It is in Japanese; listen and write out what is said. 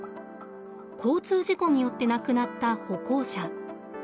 交通事故によって亡くなった歩行者。